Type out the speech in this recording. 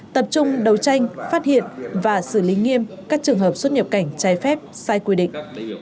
tập trung đấu tranh phát hiện và xử lý nghiêm các trường hợp xuất nhập cảnh trái phép sai quy định